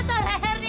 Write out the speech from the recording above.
tidak tidak tidak